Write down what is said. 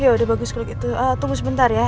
yaudah bagus gitu tunggu sebentar ya